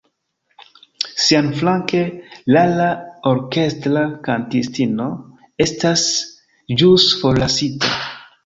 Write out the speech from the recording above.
Siaflanke, Lara, orkestra kantistino, estas ĵus forlasita.